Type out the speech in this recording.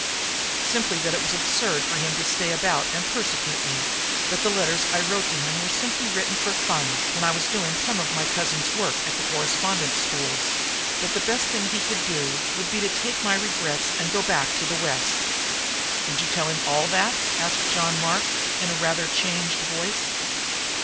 "Simply that it was absurd for him to stay about and persecute me; that the letters I wrote him were simply written for fun, when I was doing some of my cousin's work at the correspondence schools; that the best thing he could do would be to take my regrets and go back to the West." "Did you tell him all that?" asked John Mark in a rather changed voice.